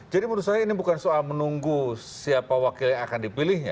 jadi menurut saya ini bukan soal menunggu siapa wakil yang akan dipilihnya